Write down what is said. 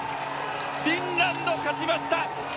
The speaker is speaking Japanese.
フィンランド、勝ちました！